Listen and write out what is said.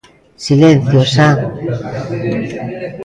Silencio xa.